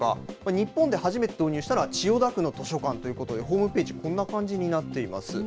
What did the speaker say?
日本で初めて導入したのは千代田区の図書館ということで、ホームページ、こんな感じになっています。